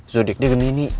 zodiak dia gemini